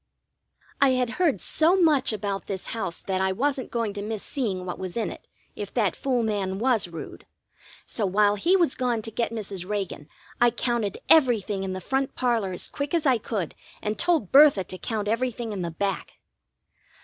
I had heard so much about this house that I wasn't going to miss seeing what was in it, if that fool man was rude; so while he was gone to get Mrs. Reagan I counted everything in the front parlor as quick as I could, and told Bertha to count everything in the back.